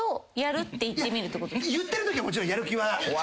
言ってるときはもちろんやる気は。